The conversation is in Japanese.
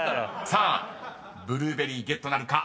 ［さあブルーベリーゲットなるか？